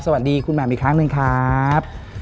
สวัสดีคุณแหม่มอีกครั้งหนึ่งครับ